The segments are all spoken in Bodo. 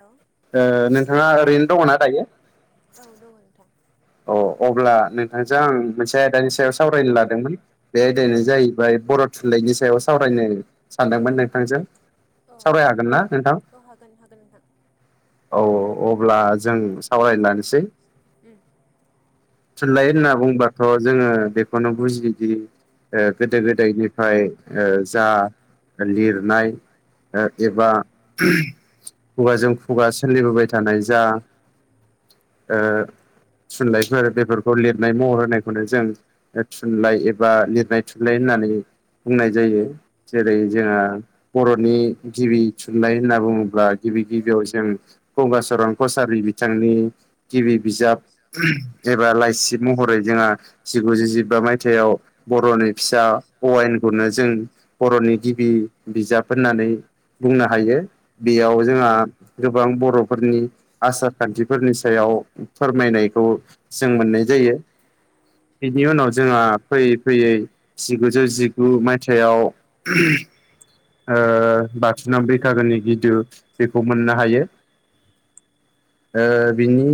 हेल' ओ नोंथाङा ओरैनो दङना दायो? औ दङ नोंथां। अ अब्ला नोंथांजों आं मोनसे आयदानि सायाव सावरायनो लादोंमोन बे आयदायानो जाहैबाय बर' थुनलाइनि सायाव सावरायनो सानदोंमोन नोंथांजों औ सावराय हागोन ना नोंथां? औ हागोन हागोन नोंथां औ अब्ला जों सावरायलानोसै उम थुनलाइ होनना बुंबाथ' जोङो बेखौनो बुजियोदि गोदो गोदायनिफ्राय जा लिरनाय एबा खुगाजों खुगा सोलिबोबाय थानाय जा ओ थुनलाय बेफोरखौ लिरनाय महर होनायखौनो जों थुनलाइ एबा लिरनाय थुनलाइ होननानै बुंनाय जायो जेरै जोंहा बर'नि गिबि थुनलाइ होनना बुङोब्ला गिबि गिबियाव जों गंगाचरन कसारि बिथांनि गिबि बिजाब लाइसि महरै जोंहा जिगुजु जिबा मायथयाव बर'नि फिसा अवान गु जों बर'नि गिबि बिजाब होननानै बुंनो हायो बेयाव जोंहा गोबां बर'फोरनि आसार खान्थिफोरनि सायाव फोरमायनायखौ जों मोननाय जायो बिनि उनाव जोंहा फैयै फैयै जिगुजौ जिगु मायथाइाव [inaudible] ओ बाथुनाव बैखाागोनि गिदु बेखौ मोननो हायो ओ बिनि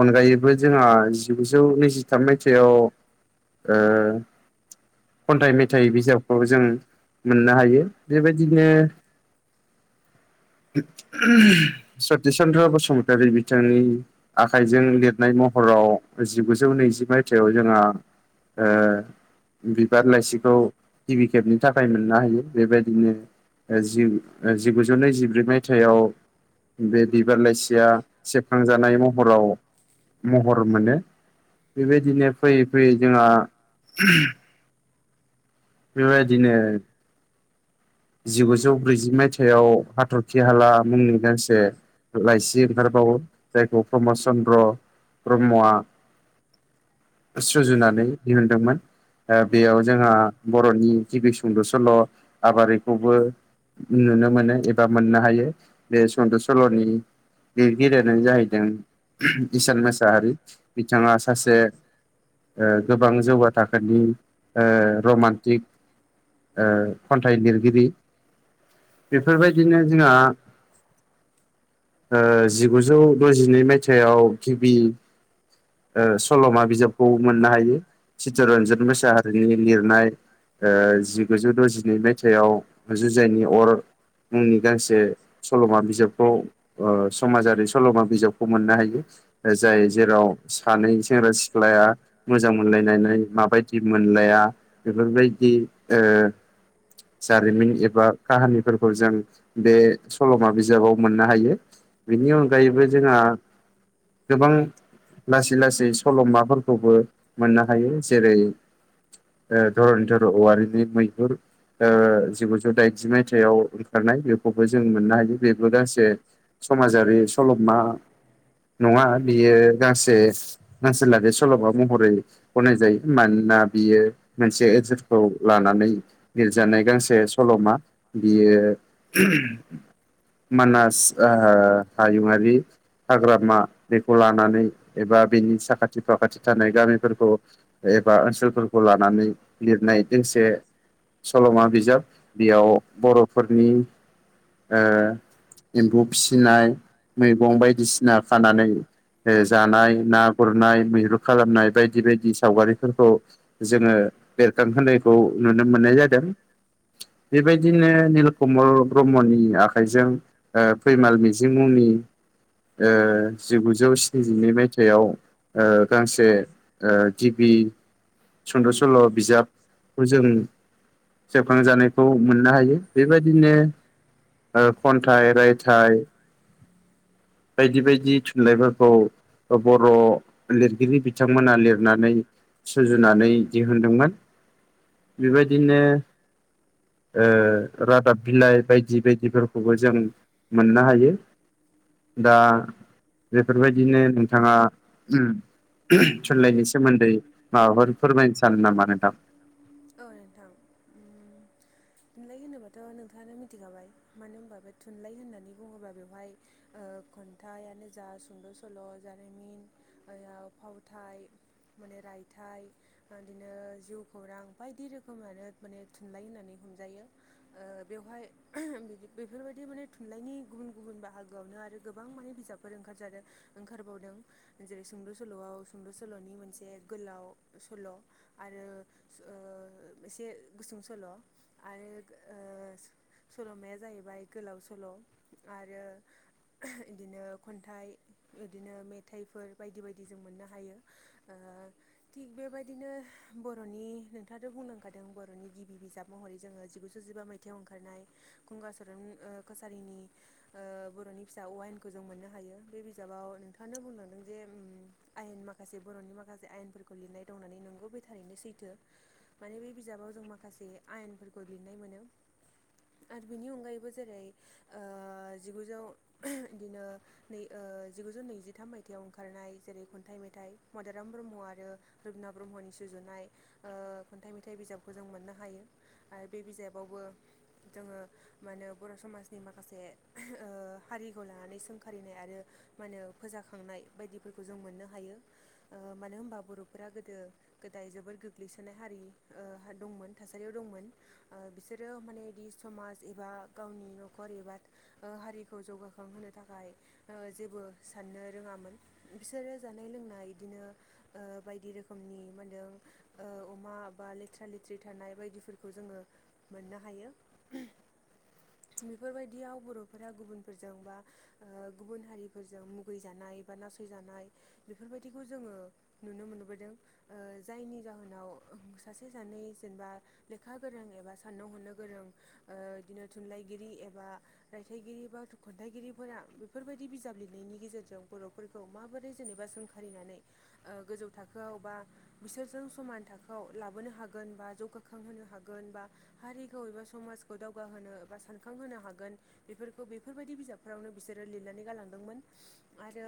अनगायैबो जोंहा जिगुजौ नैजिथाम मायथाइयाव खन्थाइ मेथाइ बिजाबखौ जों मोननो हायो बेबायदिनो [inaudible] सतिच चन्द्र बसुमतारी बिथांनि आखाइजों लिरनाय महर हराव जिगुजौ नैजि मायथाइाव जोंहा बिबार लाइसिखौ गिबि खेबनि थाखाय मोननो हायो बेबायदिनो जि जिगुजौ नैजिब्रै मायथाइयाव बे बिबार लाइसिया सेबखांजानाय महराव महर मोनो बेबायदिनो फैयै फैयै जोंहा बिबायदिनो जिगुजौ ब्रैजि मायथाइयाव हाथरखि हाला मुंनि गांसे लाइसि ओंखारबाव बावो‌ जायखौ प्रमद चन्द्र ब्रह्मआ सुजुनानै दिहुनदोंमोन बेयाव जोंहा बर'नि गिबि सुंद' सल' आबारि खौबो नुनो मोनो एबा मोननो हायो बे सुंद' सल'नि लिरगिरिनो जाहैदों इसान मोसाहारि बिथाङा सासे गोबां जौगा थाखोनि रमान्टिक ओ खन्थागिर गिरि बेफोरबायदिनो जोंहा ओ जिगुजौ द'जिनै मायथाइयाव गिबि सल'मा बिजाबखौ मोननो हायो चित्तरन्जन मोसाहारिनि लिरनाय ओ जिगुजौ द'जिनै मयथा सायाव जुजाइनि अर मुंनि गांसे सल'मा बिजाबखौ ओ समाजारि सल'मा बिजाबखौ मोननो हायो जाय जेराव सानै सेंग्रा सिख्लाया मोजां मोनलायनाय माबायदि मोनलाया बेफोरबायदि ओ जारिमिन एबा काहानिफोरखौ जों बे सल'मा बिजाबाव मोननो हायो बेनि अनगायैबो जोंहा गोबां लासै लासै सल'माफोरखौबो मोननो हायो जेरै धरनिधर औवारिनि मैहुर ओ जिगुजौ दाइनजि मायथाइयाव ओंखारनाय बेखौबो जों मोननो हायो बेबो गांसे स समाजारि सल'मा नङा बियो गांसे ओनसोलारि सल'मा महरै गनाय जायो। मानोना बियो मोनसे ओनसोलखौ लानानै लिरजानाय गांसे सलमा। बियो मानास आ हायुंआरि हाग्रामा बेखौ लानानै एबा बिनि साखाथि फाखाथि थानाय गामिफोरखौ एबा ओनसोलफोरखौ लानानै लिरनाय दोंसे सल'मा बिजाब। बेयाव बर'फोरनि ओ एम्फौ फिसिनाय, मैगं बायदिसिना खानानै ओ जानाय ना गुरनाय, मैहुर खालामनाय बायदि बायदि सावगारिफोरखौ जोङो बेरखांहोनाय खौ नुनो मोन दों। बेबायदिनो निल कमल ब्रह्मनि आखाइजों ओ फैमाल मिजिं मुंनि उम। ओ जिगुजौ स्निजिनै मायथाइयाव ओ गांसे ओ गिबि सुंद' स'ल बिजाबखौ जों सेबखां जानायखौ मोननो हायो बेबायदिनो ओ खन्थाइ रायथाइ बायदि बायदि थुनलाइफोरखौ बर' लिरगिरि बिथांमोना लिरनानै सुजुनानै दिहुनदोंमोन। बेबायदिनो ओ रादाब बिलाइ बायदि बायदिफोरखौबो जों मोननो हायो। दा बेफोरबायदिनो नोंथाङा उम थुनलाइनि सोमोन्दै माबाफोर फोरमायनो सानो नामा नोंथां? औ नोंथां ओम थुनलाइ होनोबाथ' नोंथाङानो मिथिखाबाय मानो होनबा बे थुनलाइ होननानै बुङोब्ला बेवहाय ओ ओ खन्थाइआनो जा सुंद सल', जारिमिन, राव, फावथाइ माने रायथाइ, ओदिनो जिउ खौरां बायदि रोखोमानो माने थुनलाइ होननानै हमजायो। ओ बेवहाय [unintelligible] बिबदि बेफोरबायदि दि माने थुनलाइनि गुबुन गुबुन बाहागोआवनो आरो गोबां माने बिजाबफोर ओंखाराजादों ओंखारबावदों। जेरै सुंद सल'आव सुंद सल'नि मोनसे गोलाव सल' आरो ओ एसे गुसुं सल' आरो ओ सल'माया जाहैबाय गोलाव सल' आरो इदिनो खन्थाइ इदिनो मेथाइफोर बायदि बायदि जों मोननो हायो। आ आ थिग बेबायदिनो बर'नि नोंथाङाथ' बुंलांंखादों बर'नि गिबि बिजाब महरै जोङो जिगुजौ जिबा मायथाइयाव ओंखारनाय गंगा सरन ओ कसारिनि ओ बर'नि फिसा हौवा अ आयेनखौ जों मोननो हायो। बे बिजाबाव नोंथाङा बुंदों जे ओम आयेन माखासे बर'नि माखासे आयेनफोरखौ लिरनाय दं होननानै नंगौ बे थारैनो सैथो। माने बे बिजाबाव जों माखासे आयेनफोरखौ लिरनाय मोनो। आरो बिनि अनगायैबो जेरै ओ जिगुजौ इदिनो नै ओ जिगुजौ नैजिथाम मायथाइयाव ओंखारनाय जेरै खन्थाइ मेथाइ मदाराम ब्रह्म आरो रुपनाथ ब्रह्मनि सुजुनाय [inaudible] थाइ मेथाइ बिजाबखौ जों मोननो हायो आरो बे बिजाबावबो जोङो मानो बर' समाज नि माखासे ओ हारिखौ लानानै सोंखारिनाय आरो मा होनो फोजाखांनाय बायदि फोरखौ जों मोननो हायो। ओ मानो होनबा बर'फोरा गोदो गोदाय जोबोद गो ग्लैसोनाय हारि ओ दंमोन थासारियाव दंमोन। ओ बिसोरो माने इदि समाज एबा गावनि न'खर एबा ओ हारिखौ जौगाखांहोनो थाखाय ओ जेबो साननो रोङामोन। बिसोरो जानाय लोंनाय इदिनो ओ बायदि रोखोमनि मानदों [inaudible] माबा लेथ्रा लेथ्रि थानाय बायदिफोरखौ जोङो मोननो हायो। बेफोरबायदियाव बर'फोरा गुबुनफोरजों बा गुबुन हारिफोरजों मुगै जानाय नाय बा नासय जानाय बेफोरबायदि खौ जोंओ नुनो मोनबोदों ओ जायनि जाहोनाव सासे सानै जेनेबा लेखा गोरों एबा साननो हनो गोरों ओ बिदिनो थुनलाइगिरि एबा रायथाइगिरि बा खन्थाइगिरिफोरा बेफोरबायदि बिजाब लिरनायनि गेजेरजों जों बर'फोरखौ माबोरै जेनेबा सोंखारिनानै गोजौ थाखोआव बा बिसोरजों समान थाखोआव लाबोनो हागोन बा जौगाखांहोनो हागोन बा हारिखौ एबा समाजखौ दावगाहोनों नो बा सानखांहोनो हागोन बेफोरखौ बेफोरबायदि बिजाबफोरावनो बिसोरो लिरनानै गालांदोंमोन। आरो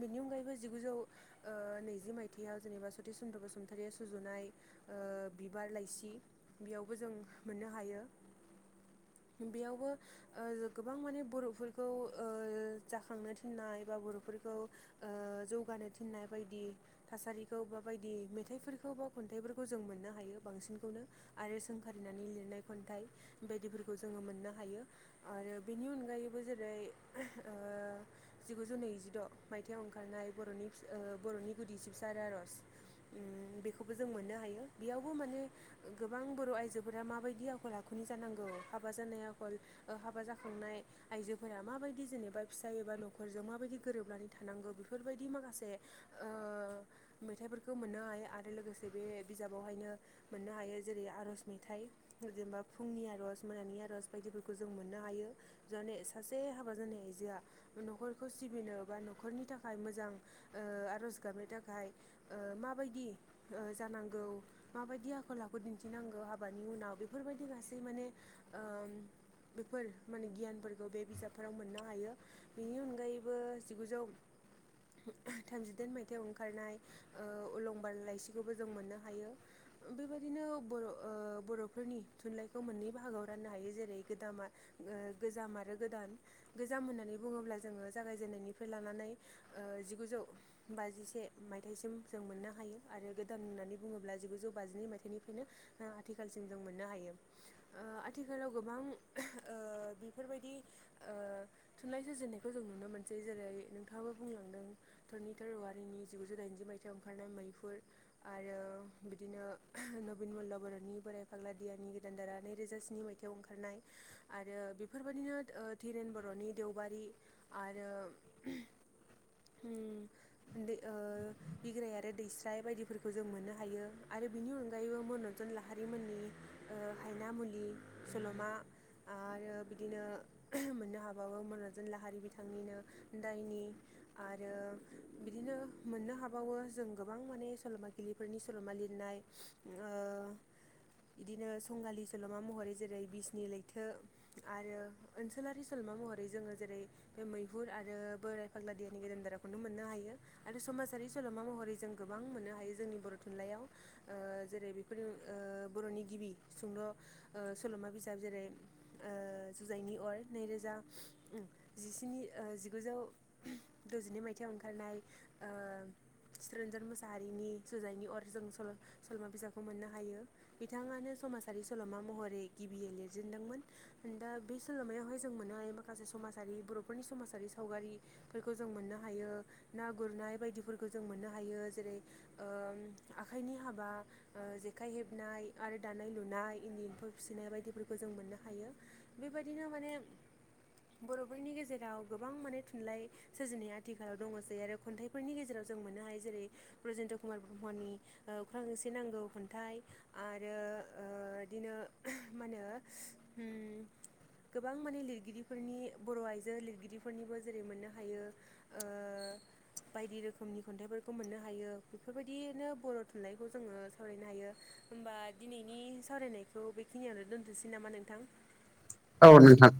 बिनि अनगायैबो जिगुजौ नैजि मायथाइयाव जेनेबा सतिस चन्द्र बसुमत थारिया सुजुनाय ओ बिबार लाइसि बेयावबो जों मोननो हायो। [inaudible] बेयावबो गोबां माने बर'फोरखौ ओ जाखांनो थिननाय बा बर'फोर खौ ओ जौगानो थिनाय बायदि थासारिखौ बा बायदि खन्थाइफोरखौ बा खन्थाइफोरखौ जों मोननो हायो बांसिनखौनो आरो सोंखारिनानै लिरनाय खन्थाइ बायदि फोरखौ जों मोननो हायो आरो बेनि अनगायैबो जेरै ओ जिगुजौ नैजिद' मायथाइाव ओंखारनाय बर'नि बर'नि गुदि सिबसा आरो आर'ज [inaudible] उम बेखौबो जों मोननो हायो बेयावबो माने गोबां बर' आइजोफोरा माबायदि आखल आखुनि जानांगौ हाबा जानाय आखल हाबा जाखांनाय आइजोफोरा माबायदि जेनेबा फिसाय एबा न'खरजों माब माबायदि गोरोबनानै थानांगौ बेफोरबायदि माखासे ओ मेथायफोर बे खौ मोननो हायो आरो लोगोसे बे बिजाबावहायनो मोननो हायो जेरै आर'ज मेथाइ जेनबा फुंनि आर'ज मोनानि आर'ज बायदिफोरखौ जों मोननो हायो जाने सासे हाबा जानाय आइजोआ न'खरखौ सिबिनो बा न'खरनि थाखाय मोजां आर'ज गाबनो थाखाय ओ [inaudible] माबायदि जानांगौ माबायदि आखल आखु दिन्थिनांगौ हाबानि उनाव बेफोरबायदि गासैबो माने ओम बेफोर माने गियानफोरखौ बे बिजाबफोराव मोननो हायो बेनि अनगायैबो जिगुजौ थामजिदाइन मायथायाइाव ओंखारनाय ओ अलंबार लाइसिखौबो जों मोननो हायो बेबायदिनो बर' बर'फोरनि थुनलाइखौ मोननै बाहागोव राननो हायो जेरै गोदामा ओ गोजाम आरो गोदान गोजाम होननानै बुङोब्ला जोङो जागायजेननायनिफ्राय लानानै जिगुजौ बाजिसे मायथाइसिम जों मोननो हायो आरो गोदान होननानै बुङोब्ला जिगुजौ बाजिनै मायथाइनिफ्रायनो आथिखालसिम जों मोननो हायो। ओ आथिखालाव गोबां ओ बेफोरबायदि ओ थुनलाइ जाजेननायखौ जों नुनो मोनसै जेरै नोंथाङाबो बुंलांदों धरनिधर वारिनि जिगुजौ दाइनजि माय खाथियाव ओंखारनाय मैहुर आरो बिदिनो नबिन मल्ल' बर'नि बोराय फाग्ला दियानि गोदान धारा रोजा स्नि मायथयाव ओंखारनाय आरो बेफोरबायदिनोेन दिरेन बर'नि देवबा बारि आरो उम दै ओ बिग्राय आरो दैस्राय बायदिफोरखौ जों मोननो हायो आरो बिनि अनगायैबो मनरन्जन लाहारिमोननि हायना मुलि सल'मा आरो बिदिनो मोननो हाबावो मन'रन्जन लाहारि बिथांनिनो दायनि आरो बिदिनो मोननो हा हाबावो जों गोबां माने सल'माागिरिलिफोरनि सल'मा लिरनाय ओ बिदिनो संगालि सल'मा महरै जेरै बिसनि लैथो आरो ओनसोलारि सल'मा महरै जोङो जेरै बे मैहुर आरो बोराय फाग्ला दियानि गोदान देराखौनो मोननो हायो आरो समाज रि सल'मा महरै जों गोबां मोननो हायो जोंनि बर' थुनलाइयाव ओ जेरै बेफोर ओ बर' नि गिबि सुंद' सल'मा बिजाब जेरै जुजाइनि अर नैरोजा जिस्नि जिगुजौ द'जिनै मायथाइयाव ओंखारनाय ओ [inaudible] चितरन्जन मुसाहारिनि जुजाइनि अर जों सल सलमा बिजाबखौ मोननो हायो बिथाङानो समाज जारि सलमा महरै गिबियै लिरजेनदोंमोन दा बे सलमायावहाय जों मोननो हायो माखासे समाजारि मनि बरफोरनि समारि सावगारिफोरखौ जों मोननो हायो ना गुरनाय बायदिफोर खौ जों मोननो हायो जेरै ओम आखाइनि हाबा ओ जेखाइ हेबनाय आरो दानाय लुनाय इन्दि एम्फौ फिसिनाय बायदिफोरखौ जों मोननो हायो बेबायदिनो माने बर'फोरनि गेजेराव गोबां माने थुनलाइ सोरजिनाया आथिखालाव दङसै आरो खन्थाइफोरनि गेजेराव जों मोननो हायो जेरै- ब्रजेन्द्र कुमार ब्रह्मनि ओ अख्रां गंसे नांगौ खन्थाइ आरो ओ ओ बिदिनो मा होनो ओम गोबां माने लिरगिरिफोरनि बर आइजो लिरगिरिफोरनिबो जेरै मोननो हायो ओ बायदि रोख खोमनि खन्थाइफोरखौ मोननो हायो बेफोरबायदियैनो बर थुनलाइखौ जोङो सावरायनो हायो होमबा दिनैनि सावरायनायखौ बेखिनियावनो दोनथसै नामा नोंथां औ नोंथां